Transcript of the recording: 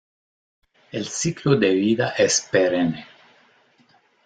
El ciclo de vida es perenne.